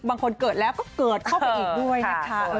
บางคนเกิดแล้วก็อีกด้วยนะคะ